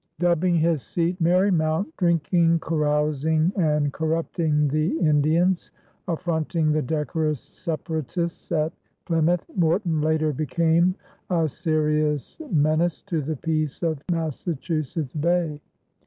Dubbing his seat Merrymount, drinking, carousing, and corrupting the Indians, affronting the decorous Separatists at Plymouth, Morton later became a serious menace to the peace of Massachusetts Bay.